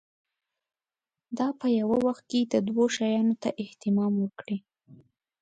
دا په یوه وخت کې دوو شیانو ته اهتمام وکړي.